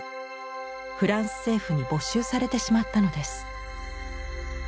フランス政府に没収されてしまったのです。